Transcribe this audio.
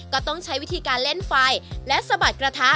ก็ต้องใช้วิธีการเล่นไฟและสะบัดกระทะ